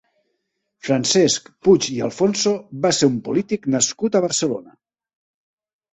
Francesc Puig i Alfonso va ser un polític nascut a Barcelona.